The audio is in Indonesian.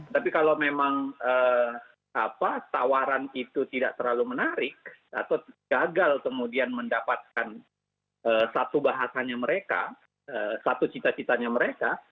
tapi kalau memang tawaran itu tidak terlalu menarik atau gagal kemudian mendapatkan satu bahasanya mereka satu cita citanya mereka